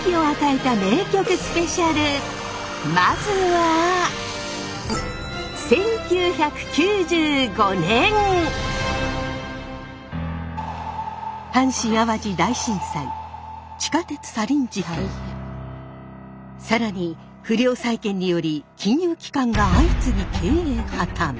まずは更に不良債権により金融機関が相次ぎ経営破綻。